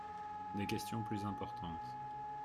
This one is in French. Des questions plus importantes.